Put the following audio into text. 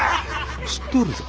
知っとるぞ。